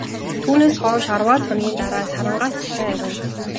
Түүнээс хойш арваад хоногийн дараа, Сарангаас захиа ирэв.